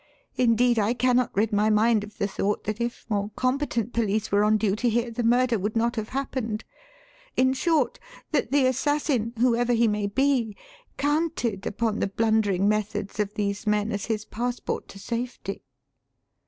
Indeed, I cannot rid my mind of the thought that if more competent police were on duty here the murder would not have happened. In short, that the assassin, whoever he maybe, counted upon the blundering methods of these men as his passport to safety."